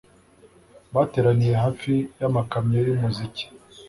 bateraniye hafi yamakamyo yumuziki